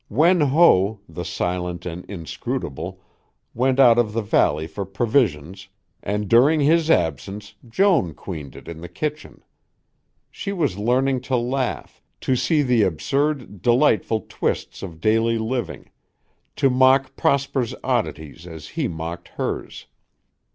Wen Ho, the silent and inscrutable, went out of the valley for provisions, and during his absence Joan queened it in the kitchen. She was learning to laugh, to see the absurd, delightful twists of daily living, to mock Prosper's oddities as he mocked hers.